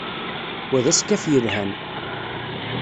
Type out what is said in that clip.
Wa d askaf yelhan.